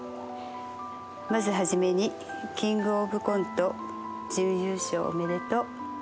まず初めにキングオブコント準優勝おめでとう。